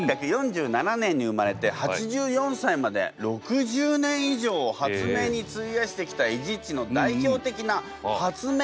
１８４７年に生まれて８４歳まで６０年以上を発明に費やしてきたエジっちの代表的な発明品パネルにしました。